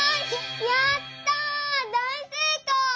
やっただいせいこう！